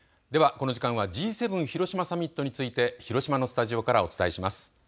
この時間はＧ７広島サミットについて広島のスタジオからお伝えします。